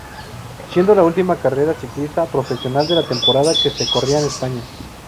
Siendo la última carrera ciclista profesional de la temporada que se corría en España.